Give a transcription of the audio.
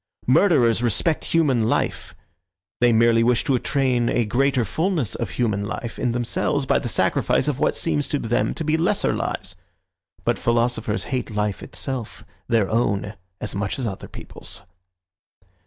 Murderers respect human life; they merely wish to attain a greater fulness of human life in themselves by the sacrifice of what seems to them to be lesser lives. But philosophers hate life itself, their own as much as other people's."